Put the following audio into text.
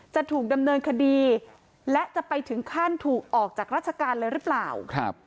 จะถูกดำเนินคดีและจะไปถึงขั้นถูกออกจากราชการเลยหรือเปล่าครับ